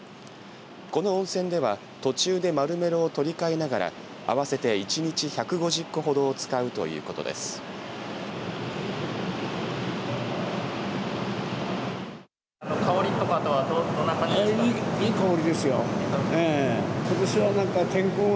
この温泉では途中でマルメロを取りかえながら合わせて１日、１５０個ほどを使うということです。